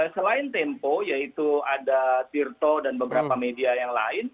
selain tempo yaitu ada tirto dan beberapa media yang lain